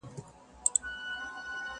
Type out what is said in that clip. خړي خاوري د وطن به ورته دم د مسیحا سي،،!